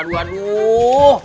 aduh aduh aduh aduh